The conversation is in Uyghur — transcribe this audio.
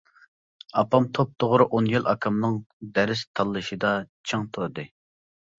ئاپام توپتوغرا ئون يىل ئاكامنىڭ دەرس تاللىشىدا چىڭ تۇردى.